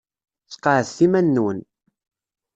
Sqeɛdet iman-nwen.